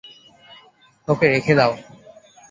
ওকে রেখে দাও।